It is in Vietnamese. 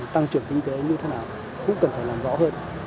tăng trưởng kinh tế như thế nào cũng cần phải làm rõ hơn